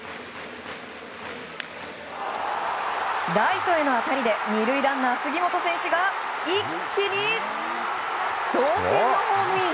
ライトへの当たりで２塁ランナーの杉本選手が一気に同点のホームイン！